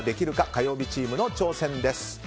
火曜日チームの挑戦です。